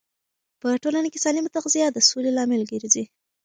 په ټولنه کې سالمه تغذیه د سولې لامل ګرځي.